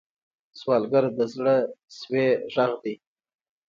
سوالګر د زړه سوې غږ دی